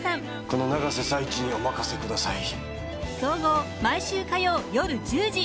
この永瀬財地にお任せ下さい！